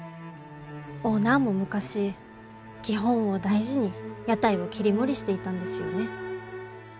オーナーも昔基本を大事に屋台を切り盛りしていたんですよね。